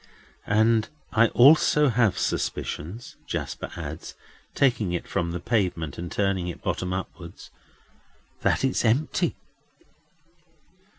And I also have suspicions," Jasper adds, taking it from the pavement and turning it bottom upwards, "that it's empty."